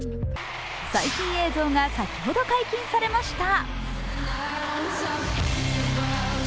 最新映像が先ほど解禁されました。